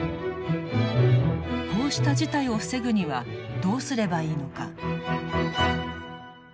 こうした事態を防ぐにはどうすればいいのか。